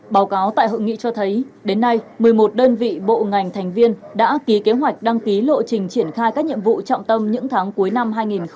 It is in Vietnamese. báo cáo tại hội nghị cho thấy đến nay một mươi một đơn vị bộ ngành thành viên đã ký kế hoạch đăng ký lộ trình triển khai các nhiệm vụ trọng tâm những tháng cuối năm hai nghìn hai mươi